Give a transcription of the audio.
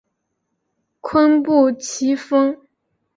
坤布崎峰